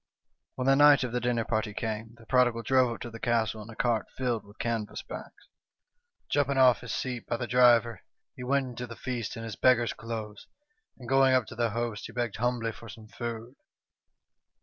"When the night of the dinner party came, the prodigal drove up to the castle in a cart filled with canvas bags. Jumping off his seat by the driver, he went into the feast in his beggar's clothes, and going up to the host, he begged humbly for some food.